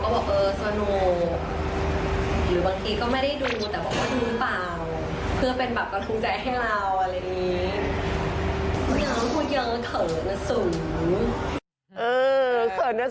บ้างเค้าก็บอกเออสนุกหรือบางทีก็ไม่ได้ดูแต่บอกว่าหรือเปล่า